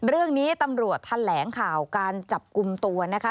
เรื่องนี้ตำรวจแถลงข่าวการจับกลุ่มตัวนะคะ